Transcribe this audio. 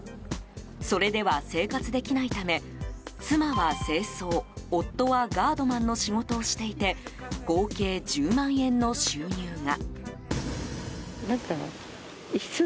それでは生活できないため妻は清掃夫はガードマンの仕事をしていて合計１０万円の収入が。